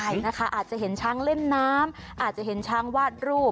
ใช่นะคะอาจจะเห็นช้างเล่นน้ำอาจจะเห็นช้างวาดรูป